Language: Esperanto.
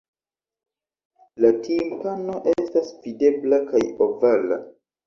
La timpano estas videbla kaj ovala.